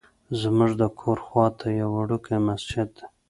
زمونږ د کور خواته یو وړوکی مسجد دی.